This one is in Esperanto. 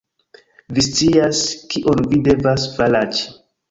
Vi scias, kion vi devas faraĉi